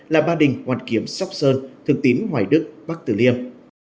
là ba đình hoàn kiếm sóc sơn thường tín hoài đức bắc tử liêm